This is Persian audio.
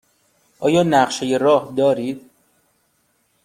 آیا نقشه راه دارید؟